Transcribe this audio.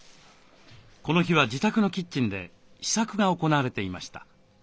この日は自宅のキッチンで試作が行われていました。